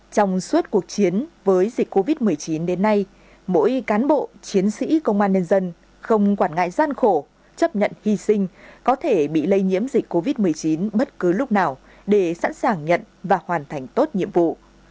trong suốt cuộc chiến với dịch covid một mươi chín đến nay mỗi cán bộ chiến sĩ công an nhân dân không quản ngại gian khổ chấp nhận hy sinh có thể bị lây nhiễm dịch covid một mươi chín bất cứ lúc nào để sẵn sàng nhận và hoàn thành tốt nhiệm vụ